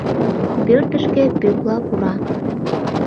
Пӧртышкӧ Пӧкла пура.